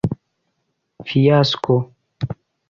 Fiasko?